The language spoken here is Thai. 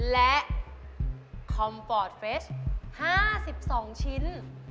และคอมปอร์ตเฟช๕๒ชิ้น